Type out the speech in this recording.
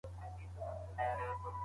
ایا موږ ډېر اتڼ وړاندي کوو؟